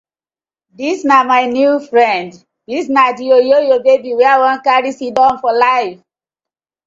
Dis na my new friend, dis na di oyoyo babi wey I won karry sidon for life.